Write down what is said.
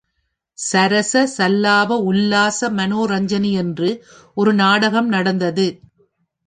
சரச சல்லாப உல்லாச மனேரஞ்சனி என்று ஒரு நாடகம் நடந்தது.